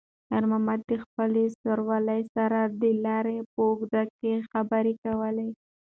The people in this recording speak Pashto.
خیر محمد د خپلې سوارلۍ سره د لارې په اوږدو کې خبرې کولې.